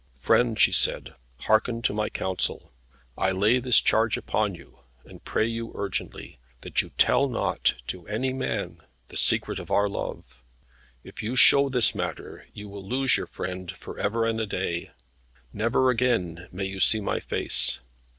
"Friend," she said, "hearken to my counsel. I lay this charge upon you, and pray you urgently, that you tell not to any man the secret of our love. If you show this matter, you will lose your friend, for ever and a day. Never again may you see my face.